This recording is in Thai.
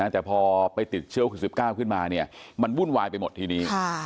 แต่พอไปติดเชื้อคุณ๑๙ขึ้นมามันวุ่นวายไปหมดทีนี้